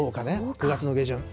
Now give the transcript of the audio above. ９月の下旬。